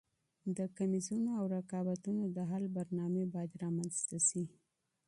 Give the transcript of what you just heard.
د کميزونو او رقابتونو د حل برنامې باید رامنځته سي.